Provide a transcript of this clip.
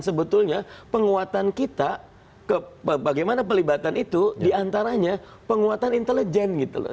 sebetulnya penguatan kita bagaimana pelibatan itu diantaranya penguatan intelijen gitu loh